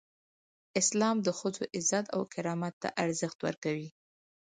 اسلام د ښځو عزت او کرامت ته ارزښت ورکوي.